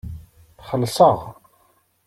Xellseɣ.